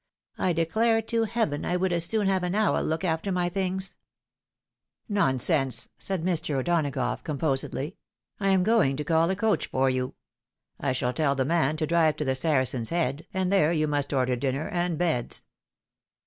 I declare to Heaven I would as soon have an owl look after my things !"" Nonsense !" said Mr. O'Donagough, composedly ;" I am going to call a coach for you. I shall tell the man to drive to the Saracen's Head, and there you must order dinner and beds.